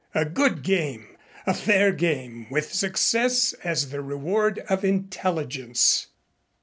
A good game a fair game, with success as the reward of intelligence.